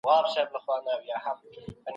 تاسو کولای سئ له تخصصي کتابونو ګټه واخلئ.